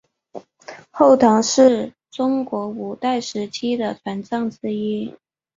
后唐是中国五代时期的政权之一。